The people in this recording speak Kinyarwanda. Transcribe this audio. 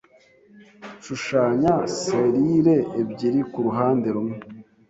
Shushanya selile ebyiri kuruhande rumwe